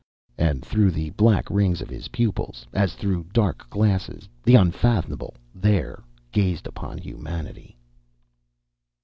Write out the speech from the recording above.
_ And through the black rings of his pupils, as through dark glasses, the unfathomable There gazed upon humanity.